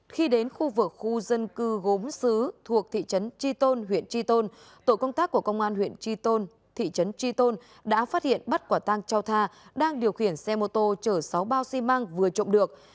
khi đến khu vực khu dân cư gốm xứ thuộc thị trấn tri tôn huyện tri tôn tổ công tác của công an huyện tri tôn thị trấn tri tôn đã phát hiện bắt quả tang trao tha đang điều khiển xe mô tô chở sáu bao xi măng vừa trộm được